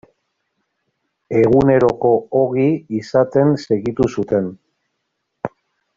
Eguneroko ogi izaten segitu zuten.